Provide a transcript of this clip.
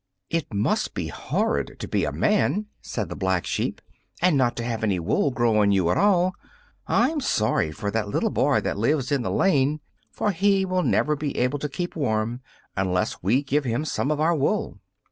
"It must be horrid to be a man," said the Black Sheep, "and not to have any wool grow on you at all. I'm sorry for that little boy that lives in the lane, for he will never be able to keep warm unless we give him some of our wool."